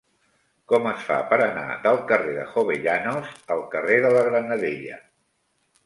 Com es fa per anar del carrer de Jovellanos al carrer de la Granadella?